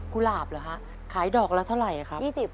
กุหลาบเหรอคะขายดอกแล้วเท่าไรครับ